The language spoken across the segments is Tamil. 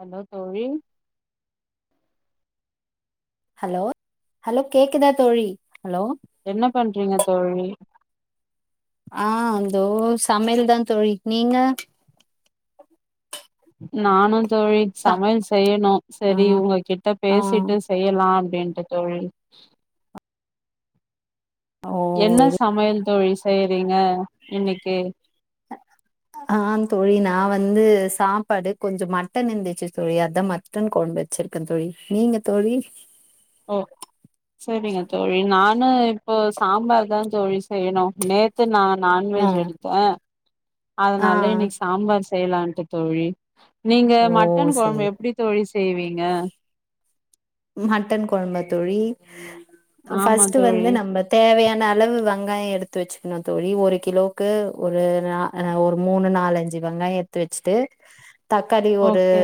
ஹலோ தோழி ஹலோ ஹலோ கேக்குதா தோழி ஹலோ என்ன பண்றீங்க தோழி ஆ அந்தோ சமையல் தா தோழி நீங்க நானும் தோழி சா சமையல் செய்யணு ஆ சேரி உங்ககிட்ட ஆ பேசிட்டு செய்யலா ஏன்ட்ட தோழி ஓ என்ன சரி சமையல் தோழி செய்றீங்க இன்னைக்கு ஆ தோழி நா வந்து சாப்பாடு கொஞ்சோ மட்டன் இருந்துச்சு தோழி அதா மட்டன் கொழம்பு வச்சிருக்கே தோழி நீங்க தோழி ஓ சரிங்க தோழி நானு இப்போ சாம்பார் தா தோழி செய்யணு நேத்து நா ஆ நான்வெஜ் எடுத்தே ஆ அதனால இன்னைக்கு சாம்பார் செய்யலாண்டு தோழி நீங்க ஓ மட்டன் சரி கொழம்பு எப்டி தோழி செய்வீங்க மட்டன் கொழம்பா தோழி ஆமா ஃபஸ்டு வந்து தோழி நம்ம தேவயான அளவு வெங்காயோ எடுத்து எத்து வச்சுக்கணு தோழி ஒரு கிலோக்கு ஒரு நா ஒரு மூனு நாலஞ்சு வெங்காய எடுத்து வச்சுட்டு தக்காளி ஒரு ஓகே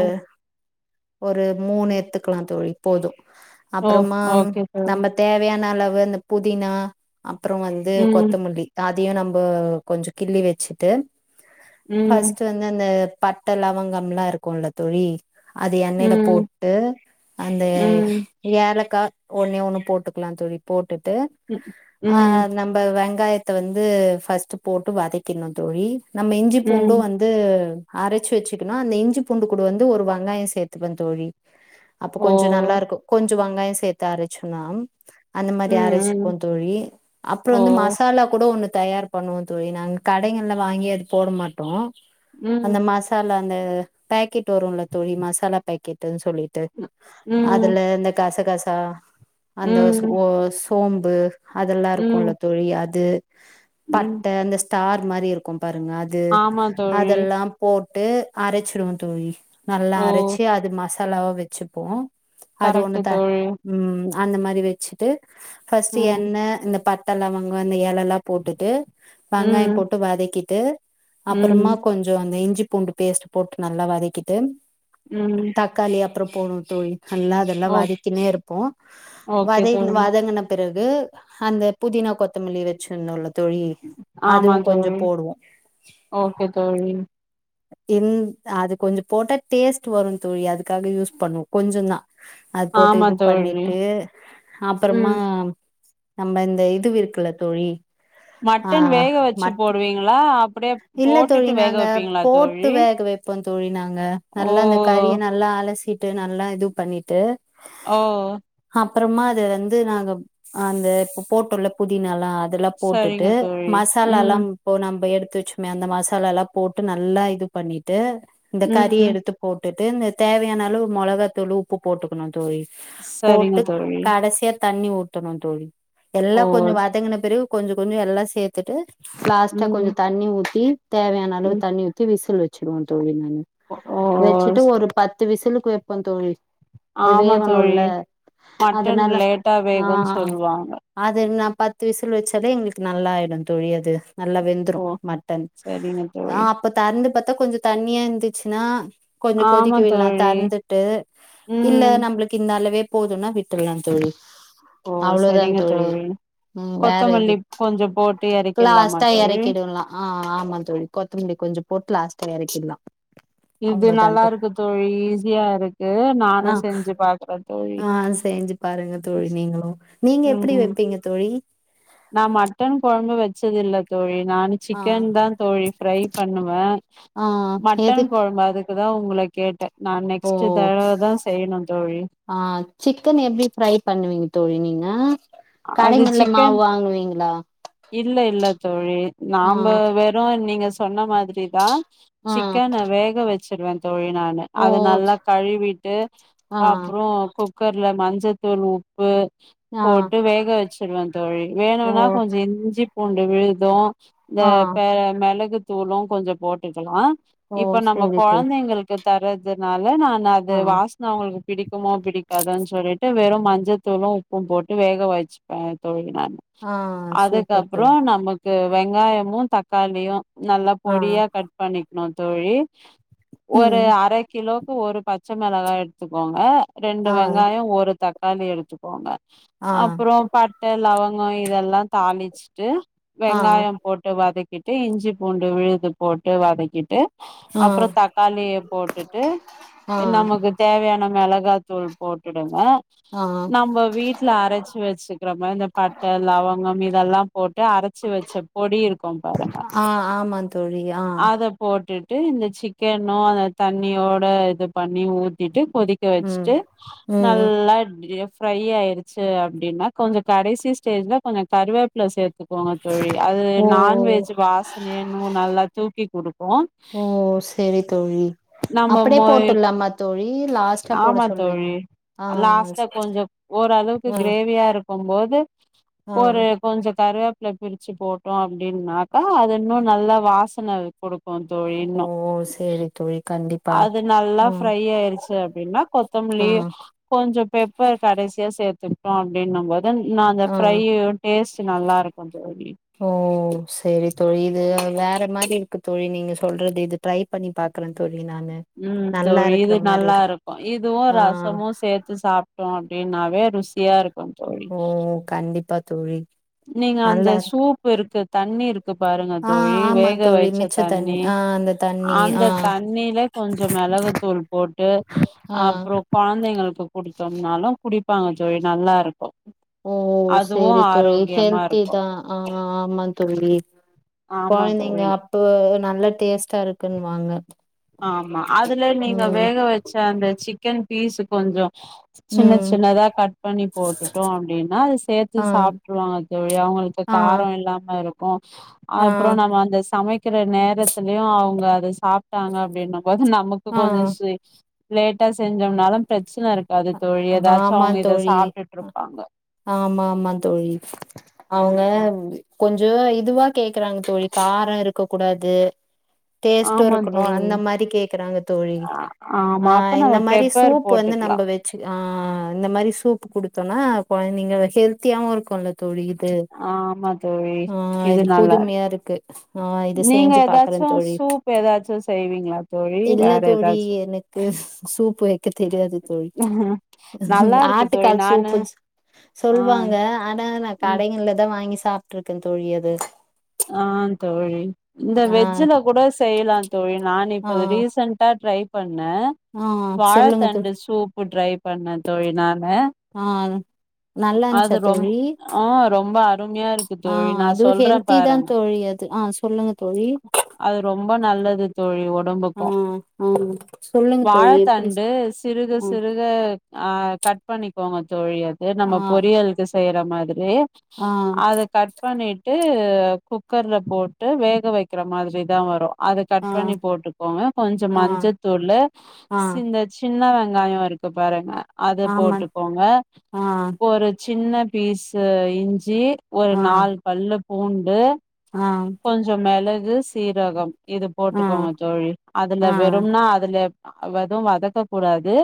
ஒரு மூனு எத்துக்கலா தோழி போதும் ஓ அப்றமா ஓகே தோழி நம்ம தேவயான அதன அளவு இந்த புதினா அப்றோ வந்து ம் கொத்தமல்லி அதையு நம்ப கொஞ்சோ கிள்ளி வச்சுட்டு ம் ஃபஸ்ட்டு வந்து அந்த பட்ட லவங்கம்லா இருக்கும்ல தோழி அது எண்ணெயில ம் போட்டு உம் ம் யா ஏலக்கா ஒன்னே ஒண்ணு போட்டுக்லா தோழி போட்டு போட்டு ம் ஆ ம் நம்ம வெங்காயத்த வந்து ஃபஸ்ட்டு போட்டு வதக்கிடனு தோழி நம்ம இஞ்சி பூண்டு ம். வந்து அரச்சு வச்சுக்கனு அதுல இஞ்சி பூண்டு கூட வந்து ஒரு வெங்காயோ சேத்துப்பே தோழி அப்ப ஓ கொஞ்சோ நல்லா இருக்கு கொஞ்ச வெங்காயோ சேத்து அரச்சுக்கனு அந்த மாரி ம் ம் அரச்சிக்கு தோழி அப்றோ ஓ வந்து மசாலா கூட ஒன்னு தயார் பண்ணுவோ தோழி நாங்க கடைகள்ல வாங்கி அது போட மாட்டோ ம் அந்த மசாலா அந்த பேக்கெட் வரும்ல தோழி மசாலா பேக்கெட்ன்னு சொல்லிட்டு ம் ம் அதுல இந்த கசகசா கா அந்த ஓ சோம்பு அதெல்லா இருக்கும்ல ம் தோழி அது ம் பட்ட அந்த ஸ்டார் மாரி இருக்கும் பாருங்க அது ஆமா தோழி அதெல்லா போட் விட்டு அரச்சிருவோம் தோழி நல்லா ஓ அரைச்சு அது மாஸ் தலாவ வச்சு போம் கரெக்ட்டு தோழி அந்த மாரி வச்சுட்டு பஸ்ட் ம் எண்ணெ இந்த பட் ட லவாங்கம் இந்த எலலா போட்டுட்டு ம் வெங்காயம் போட்டு வதக்கிட்டு ம் அப்றமா கொஞ்சோ அந்த இஞ்சிப் பூண்டு பேஸ்ட் போட்டு நல்லா வதக்கிட்டு ம் தக்காளி அப் டுரு போணு தோழி நல்லா அதெல்லா ஓ வாதிக்கினே இருப்போம் ஓகே வதை தோழி வாதங்கன்ன பிற து அந்த புதினா கொத்தமல்லி வச்சுருந்தோன்ல ஆமாந்தோழி ஓகே தோழி இந் அது கொஞ்ச போட்ட டேஸ்ட் வருந்தோழி அதுக்காக யூஸ் பண்ணுவோம் கொஞ்சந்தா அது போட்டு ஆமா இது தோழி பண்ணிட்டு அப்புறமா ம் நம்ம இந்த இது விற்குல தோழி ஆ மட்டன் வேக வச்சு மட் போடுவீங்களா அப்டியே இல்ல தோழி போட்டுட்டு வேக நாங்க வைப்பீங்களா போட்டு தோழி வேக வைப்போம் தோழி நாங்க ஓ நல்லா அந்த கறிய நல்லா அலசி ட்டு நா நல்லா இது பண்ணிட்டு ஓ அப்புறமா அது வந்து நாங்க அந்த இப்ப போட்டோல புதினல்லா அதுல்லா சரிங்க போட்டுட்டு தோழி மசாலா எல்லா ம் இப்ப நம்ப எடுத் துச்சுமே அந்த மசாலா எல்லா போட்டு நல்லா இது பண்ணிட்டு இந்த கறி ம் எடுத்து போட் ட்டு இந்த தேவயான அளவு மொளகாதூள் உப்பு போட்டுக்கணு தோழி சரிங்க போட்டு தோழி கடைசிய தண்ணி ஊத்தணும் தோழி ஓ எல்லா கொஞ்சம் வதங்கன பிறகு கொஞ்சம் கொஞ்சம் எல்லா சேத்துட்டு லாஸ்ட்டா ம் கொஞ்சம் தண்ணி ஊத்தி தேவயான அளவு ம் தண்ணி ஊத்தி விசில் வச் சிருவன் தோழி நா ம் ஓ வச்சிட்டு ஒரு பத் து விசிலுக்கு வப்பன் தோழி அது ஆமா தோழி வேவணுல்ல மட்டன் அதனால லேட்டா வேகுன் ஆ சொல்வாங்க அது நா பத்து விசில் வச்சாதா எங்களுக்கு நல்லா ஆயிடும் தோழி அது நல்லா வெந்துரு ஓ மட்டன் சரிங்க ஆ தோழி அப்ப தெரந்து பாத் தா கொஞ்சோ தண்ணியா இருந்துச்சின்னா கொஞ்சோ கொதிக்க ஆமா விடலா தோழி தரந்து கு இல்ல ம் நம்பளுக்கு இந் நல்லவே போதுனா விட்ராலா தோழி ஓ அவ்ளோதா சரிங்க தோழி ம் வேற எது கொத்தமல்லி கொஞ்சோ போட்டு எறக்கிடலாமா லாஸ்ட்டா தோழி எறக்கிடுலாம் ஆ ஆமா தோழி கொத்தமல்லி கொஞ்சோ போட்டு லாஸ்ட் த எறக்கிர்லா இது நல்லா இருக்கு தோழி ஈஸியா இருக் ஆ ஆ செஞ்சி பாருங்க தோழி நீங்களும் நீங்க எப்டி ம் வைப்பீங்க தோழி நா மட்டன் கொழம்பு வச்சதில்ல தோழி நானு ஆ சிக்கன் தான் தோழி ஃப்ரை பண்ணுவே ஆ மட்டன் எதுக் கொழம்பு அதுக்கு அதான் உங்கள கேட்ட ஓ தோழி ஆ சிக்கன் எப்டி ஃப்ரை பண்ணுவீங்க தோழி நீங்க அது கடைகங்ள்ல சிக்கன் மாவு வாங்குவீங்களா இல்ல இல்ல தோழி ஆ நாம்ப வெறும் நீங்க சொன்ன மா திரி தா ஆ சிக்கன வேக வச்சு சரி வந்த தோழி நானு ஓ அத நல்லா கழுவிட்டு ஆ அப்றோ குக் குக்கர்ல மஞ்சத்தூள் உப்பு ஆ போட்டு வேகவச் சரி வந்த தோழி ஓ வேணுனா கொஞ்சோ இஞ் இஞ்சி பூண்டு விழுது இந்த ஆ பெ மெளகு தூளு கொஞ்சோ போட்டுக்கலா ஓ இப்ப நம்ம சேரி தோழி கொழந்தைங்களுக்கு தரதுனால நான் அது ஆ வாசன அவுங்களுக்கு பிடிக்குமோ பிடிக்காதோனு சொல்லிட்டு வெறும் மஞ்சத்தூளும் உப்பும் போட்டு வேக வச்சுப்பே தோழி ஆ சூப்பர் அப்றோ தோழி நமக் இது வெங்காயமு தக்காளியு நல்லா ஆ பொடியா கட் பண்ணி நா தோழி ஒரு ம் அர கிலோ ஒரு பச்ச மெளகா எடுத்துக் கோங்க ரெண்டு ஆ வெங்காயோ ஒரு தக்காளி எடுத்துக்கோங்க ஆ அப்றோ பட்ட லவங்க ஆ இதெல்லா தாழி ட்டு ஆ வெங்காயோ போட்டு வதக்கிட்டு இஞ்சி பூண்டு விழுது போட்டு வதக்கிட்டு ஆ அப்றோ தக்காளிய போட்டுட்டு ஆ நமக்கு தேவயான மெளகு மெளகா தூள் போட்டுடுங்க ஆ நம்ப வீட்ல அரச்சு வச்சுக்கிற மாரி இந்த பட்ட லவங்கம் இதெல்லா போட்டு அரைச்சி வச்ச பொடி இருக்கோ பாருங்க ஆ ஆமா தோழி ஆ அத போ போட்டுட்டு இந்த சிக்கனு அந்த தண்ணியோட இது பண்ணி ஊத்திட்டு கொதிக்க ம் வச்சிட்டு ம் நல்லா டிரிஃப் ஃப்ரை ஆயிடுச்சு அப்பிடின்னா கொஞ்சோ கடசி ஸ்டேஜ்ல கொஞ்சோ கருவேப் பில சேத் க்கோங் தோழி அது ஓ நான்வெஜ் வாசனை இன்னு நல்லா தூக்கிகுடுக்கு ஓ சேரி தோழி நம்ம அப்படியே மோய் போட்டுடலாமா தோழி லாஸ்ட்டா போட ஆமா சொல்றீங்க தோழி ஆ லாஸ்டா கொஞ்சோ ஓளவுக்கு ஆ கிரேவியா இருக் போம்போது ஆ கருவேப்பில பிரிச்சி போட்டோ அப்பிடின்னாக்கா அது இன்னு நல்லா வாசன குடுக்கு தோழி ஓ இன்னு சேரி தோழி கண்டிப்பா அது நல்லா ம் ஃப்ரை ஆயிருச்சி அப்பிடின்னா கொத்தமல்லி ம் கொஞ்சோ பெப்பர் கடைசியா சேத் ப்போ அப்பிடின்னு போது தன் நா அந்த ஃப்ரை ம் டேஸ்ட் நல்லா இருக்கு ஓ சேரி தோழி இது வேற மாரி இருக்கு தோழி நீங்க சொல்றது இது ட்ரை பண்ணி பாக்குற தோழி நானு ம் நல்லா தோழி இருக்கிற இது மாரி நல்லா இருக்கு இதுவு ஆ ரசமு சேத்து சாப்டோ ப்டினாவே ருசியா இரு ஓ கண்டிப்பா தோழி நீங்க அந்த நல்லா இருக்கு சூப் இருக்கு தண்ணிருக் து பாருங்க ஆ தோழி ஆமா வேக தோழி வைச்ச மிச்ச தண்ணி ஆ அந்த தண்ணி ஆ அந்த தண்ணில கொஞ்சோ மெளகு தூள் போட்டு ஆ அப்புறோ கொழந்தைங்களுக்கு குடி தோன்னாலு குடிப்பாங்க தோழி நல்லா இருக்கு ஓ அதுவு சேரி தோழி ஆரோக்கியமா இருக்கு ஹல்த்திதா ஆ அமா தோழி ஆமா கொழந்தைங்க தோழி அப்பு வு நல்ல டேஸ்ட்டா இருக்குன்னுவாங்க ஆமா அதுல நீங்க ம் வேக வச்ச அந்த சிக்கன் பீஸ்சு கொஞ்சோ சின்ன ம் சின்னதா கட் பண்ணி போட்டுட்டோ அப்பிடின்னா சேத்து ஆ சாப்ட்ருவாங்க தோழி அவுங்களுக்கு ஆ காரோ இல்லாம இரு தோம் ஆ அப்ற நம்ம அந்த சமைக் கிற நேரத்துலயு அவுங்க அத சாப் டாங்க அப்டின்னு போது நமக்கு ஆ கொஞ்ச சே லேட்டா செஞ்சோன்னாலு பிரச் ஆமா தோழி சாப்ட்டுட்ருப்பாங்க ஆமா மா தோழி ம் அவுங்க ம் கொஞ் ஜுல இதுவா கேக்குறாங்க தோழி காரோ இருக்க கூடாது டேஸ்டு ஆமா இருக்கணு அந்த தோழி மாரி கேக்குறாங்க தோழி ஆ ஆ ஆமா அப்ப இந்த நம்ம மாரி பெப்பர் சூப் வந்து போட்டுக்கலா நம்ப வச் ஆ இந்த மாரி சூப் குடுத்தோனா கொழந்தைங்க கெல்தியாவு இருக்குல்ல தோழி இது ஆமா தோழி ம் இது புதுமையா இருக்கு ஆ இது நீங்க செஞ்சு பாக்குறே ஏதாச்சு தோழி சூப் ஏதாச்சு செய்வீங்களா தோழி இல்ல வேற தோழி ஏதாச்சு எனக்கு சூப் வைக்க தெரியாது தோழி நல்லா இருக்கு தோழி ஆட்டுக்கால் நானு சூப்பு வச்சு ஆ சொல்வாங்க ம் கடைங்கலதா வாங்கி சாப்டுருக்கே தோழி அது ஆ தோழி இந்த ஆ வெஜ்ஜுல கூட செய்யலாந்தோழி நா நானு ஆ இப்ப அது ரீசண்டா ட்ரை னு ஆ சொல்லுங்க தோழி வாழத்தண்டு சூப்பு ட்ரை பண்ண தோழி நானு ஆ நல்லா அது இருந்துச்சா ரொம் தோழி ரொம்ப அருமையா இருக்கு தோழி நா சொல்றே தி தா பாருங்க தோழி அது ஆ சொல்லுங்க தோழி அது ரொம்ப நல்லது தோழி ஒன் ஆ ஒடம்புக்கும் ஆ சொல்லுங்க தோழி எப்டி வாழத்தண்டு சிறுக ஆ சிறுக ஆ கட் பண்ணி போனோஜ் தோழி அது நம்ம ஆ பொரியல்கு செய்யிற மாதுரியே ஆ அத கட் பண்ணிட் டு டு குக்கர்ல போட்டு வேக வைக்கிற மாதிரி தான் வரும் அத ஆ கட் பண்ணி போட்டுக்கோங்க கொஞ்ச ஆ மஞ்சத்தூள் ஆ சி இந்த சின்ன வெங் காயம் இருக்கு பாருங்க அத ஆமா போட்டுக்கோங்க ஆ பொருச் சின்ன பீஸ்சு இஞ்சி ஒரு ஆ நாலு பல்லு பூண்டு ஆ ஆ கொஞ்சோ மெள க்கு சீரகம் இது போட்டுக்கோங்க தோழி அதுல ஆ வெறும்னா அதுல வெது வதக்க கூடாது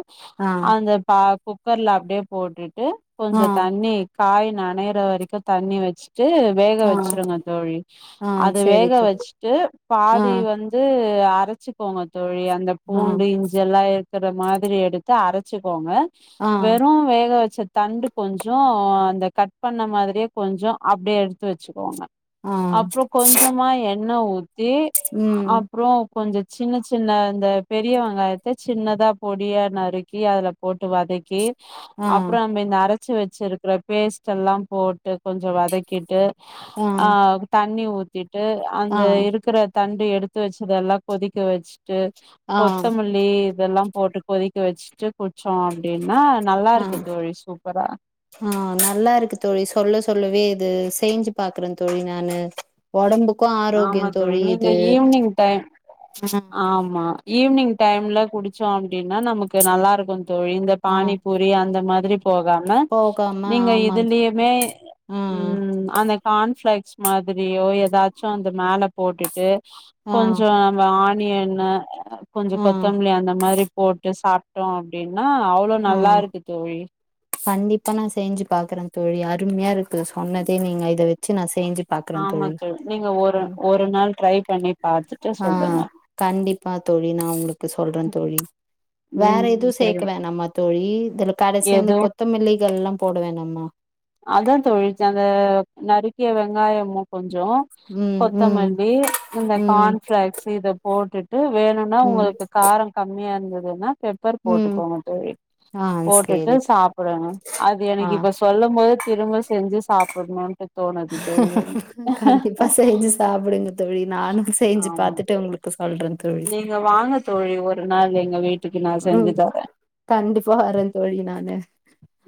ஆ அந்தப்பா குக்கர்ல அப்பிடியே போட் டு ஆ கொஞ்ச தண்ணி காய் நனையற வரைக்கு தண்ணி வச்சி சட்டு வேக ஆ வச் சிருங்க தோழி ஆ அது சேரி வேக தோ வச்சிட்டு ஆ பாதி வந்து து அரைச்சிகோங்க தோழி அந்த ஆ பூண்டு இஞ்சல்லா க்கற மாரி எடுத்து அரச்சிக்கோங்க ஆ வெறு வேக வச் ச்ச தண்டு கொஞ்சோ அந்த கட் பண்ண மாதிரியே கொஞ்சோ அப்பிடியே எடுத்து வச் ச்சி கோங்க ஆ அப்புறோ கொஞ்சமா எண் ண்ண ஊத் தி ம் அப்புறோ கொஞ்ச சின்ன சின்ன இந்த பெரிய வெங்காயத்த சின்னதா பொடியா நறுக்கி அதில போட்டு வதக்கி ஆ அப்புறோ நம்ம இந்த அர ச்சி வச்சிருக்கற பேஸ்ட் எல்லா போட்டு கொஞ்சோ வதக்கிட்டு ஆ தண்ணி ஊத் ர ட்டு ஆ அந்த இருக்கற தண்டு எடுத்து வச்சதெல்லா கொதிக்க வச்சிட்டு ஆ கொத்தமல்லி இதெல்லாம் போட்டுக் கொதிக்க வச்சுட்டு கு ஆ சூப்பரா ஆ நல்லா இருக்கு தோழி சொல்ல சொல்லவே இது செஞ்சு பாக்குறே தோழி நானு ஒடம்புக் ஆமா தோழி நீங்க ஈவி்னிங் டைம் ஆ ஆமா ஈனிங் டைம்ல குடிச்சோ அப்பிடின்னா நமக்கு நல்லா இருக்கு தோழி இந்த ஆ பானிபூரி அந்த மா போகாம போகாம நீங்க ஆமா இதுலியுமே ஆ ம் அந்த கான்ஃபிளெக்ஸ் மாதிரியோ ஏதா ச்சோ அந்த மேல போட்டு ட்டு ஆ கொஞ்சோ நம்ப ஆ நீ என்ன கொஞ்சோ ஆ கொத்தமல்லி அந்த மாரி போட்டு சாப்பிட்டோ அப்பிடின் ன்னா அவ்ளோ ஆ நல்லா இருக்கு தோழி கண்டிப்பா நா செஞ்சி பாக்குறே தோழி அருமையா இருக்கு சொன்னதே நீங்க இத வச்சி நா செஞ்சு பாக்குறே ஆமா தோழி தோ நீங்க ஒரு ம் ஒரு நாள் ட்ரை பண்ணி பாத்துட்டு ஆ சொல்லுங்க கண்டிப்பா தோழி நா உங்ளுக் க்கு சொல்றே தோழி வேற ம் எதுவு சேக்க சரி வேணாமா தோழி இதுல கடைசியா அந்த எதுவு கொத்து த்தமல்லிகள் எல்லா போட வேணம்மா அதா தோழி ச அந்த நறுக்கிய வெங்காயமு கொஞ் சோ ம் ம் கொத்தமல்லி இந்த ம் கான்ஃபிளாக்ஸ் இத போட் ட்டு வேணுன்னா ம் உங்களுக்கு காரோ கம்மியா இருந் துது என்ன பெப்பர் ம் போட்டுக்கோங்க தோழி ஆ போட்டுட்டு சேரி தோழி சாப்பிடுங்க அது ஆ எனக்கு இப்ப சொல்ல த் திரும்ப செ ஞ்சி சாப்பனுட்டு கண்டிப்பா செஞ்சி சாப்புடுங்க தோழி நானு செஞ்சி ஆமா பாத்துட்டு தோழி உங்களுக்கு சொல்றே தோழி நீங்க வாங்க தோழி ஒரு நாங்க இங்க வீட் உம் கண்டிப்பா வரே தோழி நானு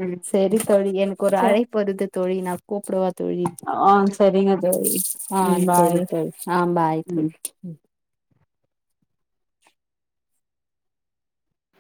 ம் செரி தோழி எனக்கு ஒரு சே அழைப்பு வருது தோழி நா கூப்டுவே தோழி ஆ சரிங்க தோழி ஆ ம் சரி பாய் தோழி அ பாய் ம் தோழி